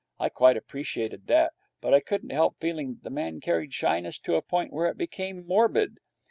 I quite appreciated that, but I couldn't help feeling that the man carried shyness to a point where it became morbid.